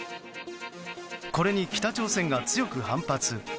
これに北朝鮮が強く反発。